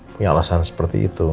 punya alasan seperti itu